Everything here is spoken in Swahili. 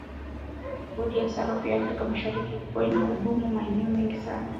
bodi ya sarafu ya afrika mashariki ilikuwa inahudumia maeneo mengi sana